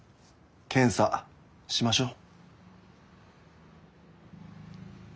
検査しましょう。